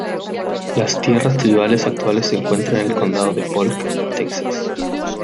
Las tierras tribales actuales se encuentra en el Condado de Polk, Texas.